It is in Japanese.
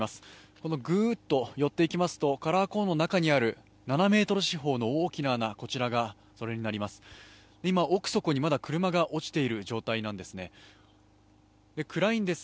このぐーっと寄っていきますと、カラーコーンの中にある７ｍ四方の大きな穴、こちらがそれになります。